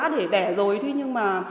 để đẻ rồi nhưng mà